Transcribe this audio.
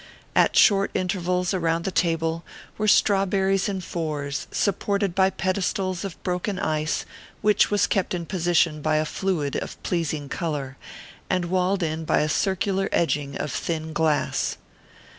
At short intervals around the table were strawberries in fours, supported by pedestals of broken ice, which was kept in position by a fluid of pleasing color, and walled in by a circular edging of thin glass.